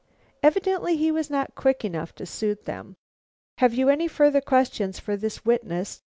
Evidently he was not quick enough to suit them. "Have you any further questions for this witness?"